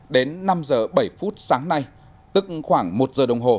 đến năm giờ bảy phút sáng nay tức khoảng một giờ đồng hồ